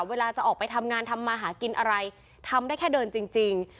เวลาจะออกไปทำงานทำมาหากินอะไรทำได้แค่เดินจริง